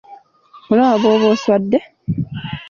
Olaba bw’oba oswadde!